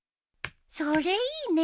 それいいね！